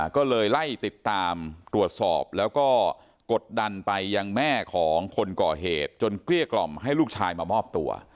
ก็เลยไล่ติดตามตรวจสอบแล้วก็กดดันไปยังแม่ของคนก่อเหตุจนเกลี้ยกล่อมให้ลูกชายมามอบตัว